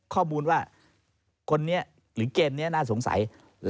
ข้อมูลว่าคนนี้หรือเกมนี้น่าสงสัย